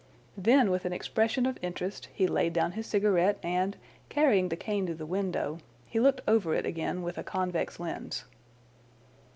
Then with an expression of interest he laid down his cigarette, and carrying the cane to the window, he looked over it again with a convex lens.